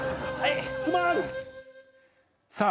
さあ